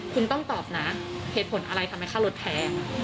คุณต้องตอบนะเหตุผลอะไรทำให้ค่ารถแพง